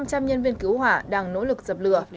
các nhân viên cứu hỏa đang nỗ lực dập lửa